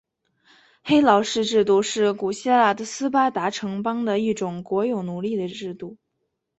黑劳士制度是古希腊的斯巴达城邦的一种国有奴隶的制度。